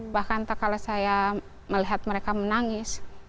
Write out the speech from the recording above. bahkan tak kala saya melihat mereka menangis